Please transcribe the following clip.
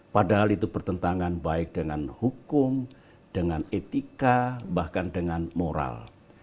padahal itu bertentangan baik dengan hukum dengan etika bahkan dengan moral